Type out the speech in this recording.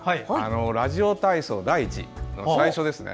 「ラジオ体操第１」の最初ですね。